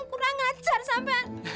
kurang ngajar sampe